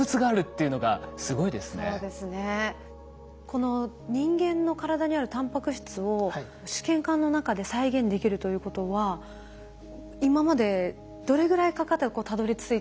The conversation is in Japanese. この人間の体にあるタンパク質を試験管の中で再現できるということは今までどれぐらいかかってたどりついたところなんでしょうか？